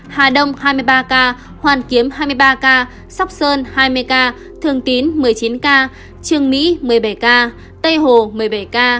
hà đông hai mươi ba ca hoàn kiếm hai mươi ba ca sóc sơn hai mươi ca thường tín một mươi chín ca trương mỹ một mươi bảy ca tây hồ một mươi bảy ca